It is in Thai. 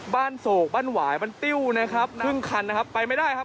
โศกบ้านหวายบ้านติ้วนะครับครึ่งคันนะครับไปไม่ได้ครับ